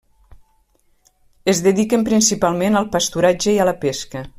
Es dediquen principalment al pasturatge i a la pesca.